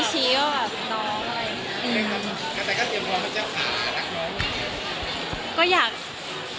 ตอนนี้ก็อย่างนี้